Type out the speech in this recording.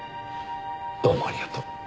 どうもありがとう。